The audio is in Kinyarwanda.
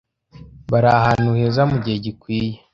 Bari ahantu heza mugihe gikwiye.